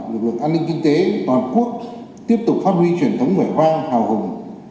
lực lượng an ninh kinh tế toàn quốc tiếp tục phát huy truyền thống vẻ vang hào hùng